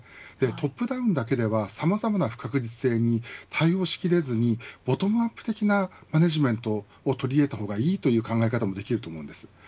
トップダウンだけではさまざまな不確実性に対応しきれずにボトムアップ的なマネジメントを取り入れたほうがいいという考え方もできると思います。